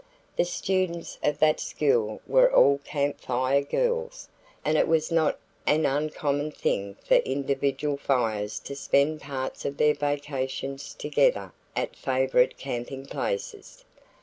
The students of that school were all Camp Fire Girls, and it was not an uncommon thing for individual Fires to spend parts of their vacations together at favorite camping places.